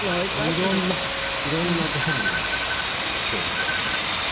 いろんないろんなジャンルに手を出させてもらってます。